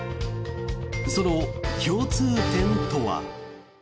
その共通点とは。